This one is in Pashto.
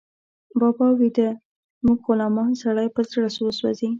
بابا ويده، موږ غلامان، سړی په زړه وسوځي